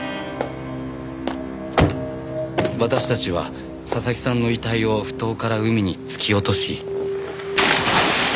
私たちは佐々木さんの遺体を埠頭から海に突き落とし。